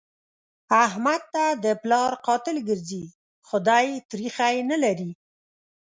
احمد ته د پلار قاتل ګرځي؛ خو دی تريخی نه لري.